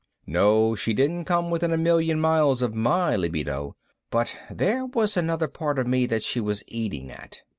No, she didn't come within a million miles of my libido, but there was another part of me that she was eating at